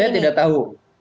saya tidak tahu